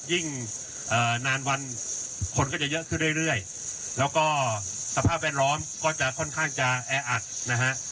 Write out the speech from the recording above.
ยิ่งนานวันคนก็จะเยอะขึ้นเรื่อยแล้วก็สภาพแวดล้อมก็จะค่อนข้างจะแออัดนะฮะ